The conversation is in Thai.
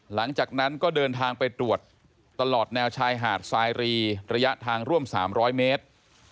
หลังจากนั้นก็เดินทางไปตรวจตลอดแนวชายหาดสายรีระยะทางร่วม๓๐๐เมตร